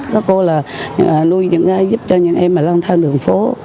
các cô là nuôi những giúp cho những em mà lang thang đường phố